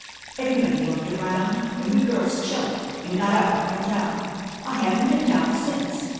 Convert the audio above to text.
Everybody looked around, and we girls choked, and got up and went out. I haven't been down since.